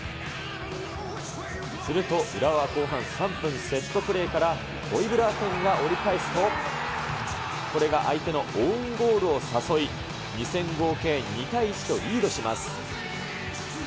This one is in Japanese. すると、浦和は後半３分、セットプレーからホイブラーテンが折り返すと、これが相手のオウンゴールを誘い、２戦合計２対１とリードします。